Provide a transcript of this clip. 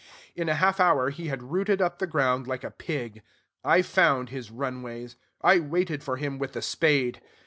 In a half hour he had rooted up the ground like a pig. I found his run ways. I waited for him with a spade.